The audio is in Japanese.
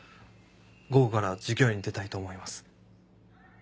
午後から授業に出たいと思います。